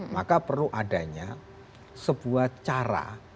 maka perlu adanya sebuah cara